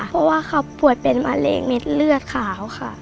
เพราะว่าเขาป่วยเป็นมะเร็งเม็ดเลือดขาวค่ะ